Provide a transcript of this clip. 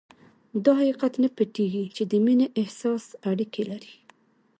دا حقيقت نه پټېږي چې د مينې احساس اړيکې لري.